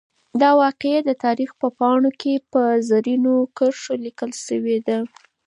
دا واقعه د تاریخ په پاڼو کې په زرینو کرښو لیکل شوې ده.